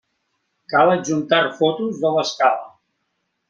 Cal adjuntar fotos de l'escala.